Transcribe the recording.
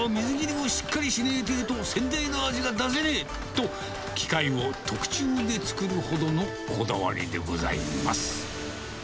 キャベツの水切りをしっかりしねえとっていうと、先代の味が出せねえと、機械を特注で作るほどのこだわりでございます。